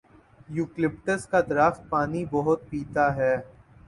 Eucalyptus کا درخت پانی بہت پیتا ہے۔